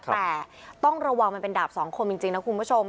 แต่ต้องระวังมันเป็นดาบสองคมจริงนะคุณผู้ชม